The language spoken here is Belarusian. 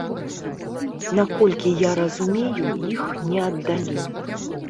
Наколькі я разумею, іх не аддалі.